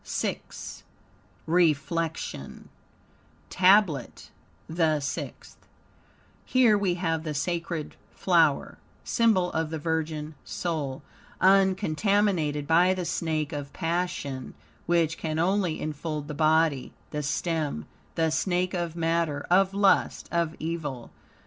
VI REFLECTION TABLET THE SIXTH Here we have the sacred flower, symbol of the virgin soul, uncontaminated by the snake of passion, which can only enfold the body the stem; the snake of matter of lust of evil.